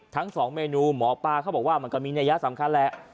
ทั้งสองเมนูหมอปลาเขาบอกว่ามันก็มีนัยยะสำคัญแหละ